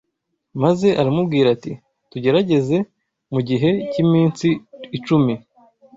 maze aramubwira ati tugerageze mu gihe cy’iminsi icumi